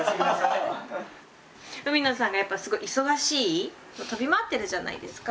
文野さんがやっぱすごい忙しい飛び回ってるじゃないですか。